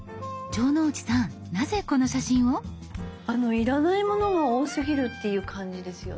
要らないものが多すぎるっていう感じですよね。